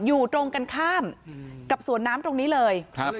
อยู่ตรงกันข้ามกับสวนน้ำตรงนี้เลย